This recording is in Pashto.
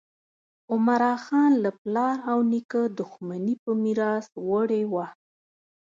عمراخان له پلار او نیکه دښمني په میراث وړې وه.